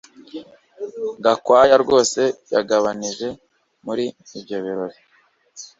Gakwaya rwose yagabanije muri ibyo birori